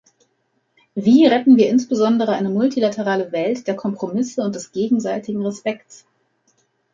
Wie retten wir insbesondere eine multilaterale Welt der Kompromisse und des gegenseitigen Respekts?